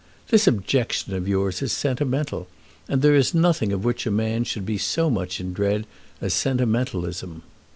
This objection of yours is sentimental, and there is nothing of which a man should be so much in dread as sentimentalism.